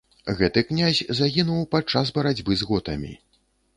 Гэты князь загінуў пад час барацьбы з готамі.